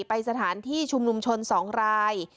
ไปสถานที่ชุมนุมชน๒ราย